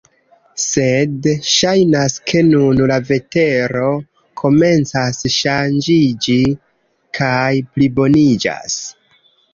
Sed ŝajnas ke nun la vetero komencas ŝanĝiĝi kaj pliboniĝas.